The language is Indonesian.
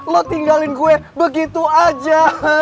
lo tinggalin gue begitu aja